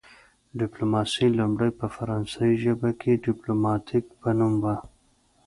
ډیپلوماسي لومړی په فرانسوي ژبه کې د ډیپلوماتیک په نوم وه